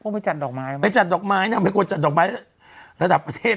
ไปจัดดอกไม้ไปจัดดอกไม้น่ะไม่ควรจัดดอกไม้ระดับประเทศ